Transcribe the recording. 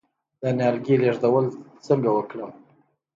د نیالګي لیږدول څنګه وکړم؟